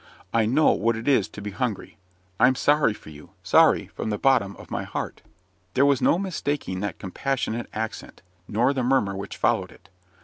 I know what it is to be hungry. I'm sorry for you sorry from the bottom of my heart." There was no mistaking that compassionate accent, nor the murmur which followed it.